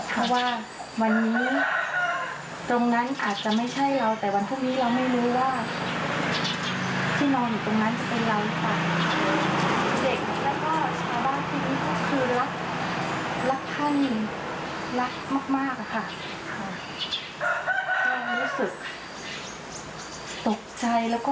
เพราะว่าวันนี้ตรงนั้นอาจจะไม่ใช่เราแต่วันพรุ่งนี้เราไม่รู้ว่าที่นอนอยู่ตรงนั้นจะเป็นเรากับเด็ก